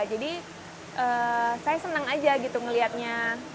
jadi saya senang aja gitu ngeliatnya